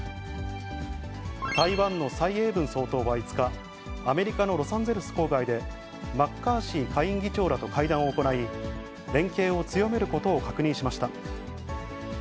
台湾の蔡英文総統は５日、アメリカのロサンゼルス郊外で、マッカーシー下院議長らと会談を行い、連携を強めることを確認しました。